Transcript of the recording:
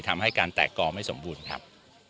ทำให้การแตกกองไม่สมบูรณ์ครับ